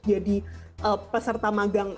jadi peserta magang